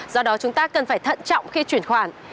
do đó chúng ta cần phải thận trọng khi chuyển khoản